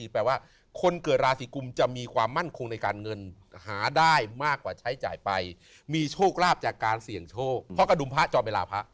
แปลว่าคนเกิดราศีกุมจะมีความมั่นคงในการเงินหาได้มากกว่าใช้จ่ายไปมีโชคลาภจากการเสี่ยงโชคเพราะกระดุมพระจอมเวลาพระ